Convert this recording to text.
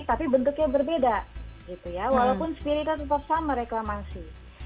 tapi bentuknya berbeda gitu ya walaupun spiritnya tetap sama reklamasi